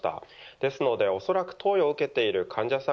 なので恐らく投与を受けている患者さん